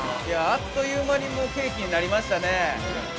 ◆あっという間に、もうケーキになりましたね。